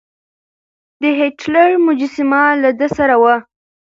د هېټلر مجسمه له ده سره وه.